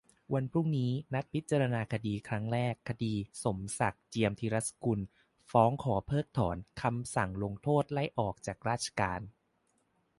วันพรุ่งนี้ นัดพิจารณาคดีครั้งแรก คดีสมศักดิ์ เจียมธีรสกุล ฟ้องขอเพิกถอนคำสั่งลงโทษไล่ออกจากราชการ